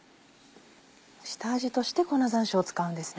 下味として粉山椒を使うんですね。